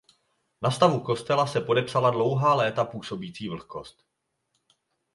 Na stavu kostela se podepsala dlouhá léta působící vlhkost.